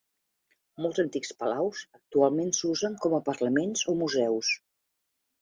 Molts antics palaus actualment s'usen com a parlaments o museus.